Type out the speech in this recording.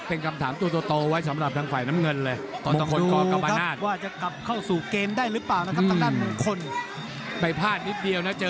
เป็นคำถามโตเตอร์โตไว้สำหรับทังฝ่ายน้ำเงินเลย